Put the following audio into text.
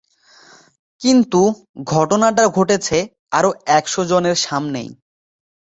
কিন্তু ঘটনাটা ঘটেছে আরও একশো জনের সামনেই।